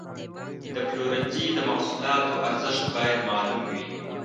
د پلورنځي د محصولاتو ارزښت باید معلوم وي.